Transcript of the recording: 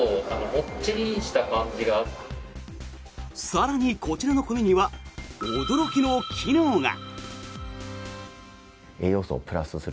更に、こちらの米には驚きの機能が。